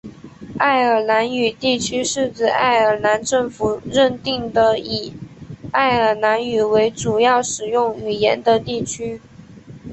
爱尔兰语地区是指爱尔兰政府认定的以爱尔兰语为主要使用语言的地区。